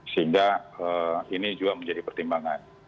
sehingga ini juga menjadi pertimbangan